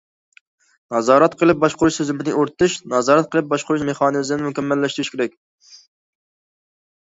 نازارەت قىلىپ باشقۇرۇش تۈزۈمىنى ئورنىتىش، نازارەت قىلىپ باشقۇرۇش مېخانىزمىنى مۇكەممەللەشتۈرۈش كېرەك.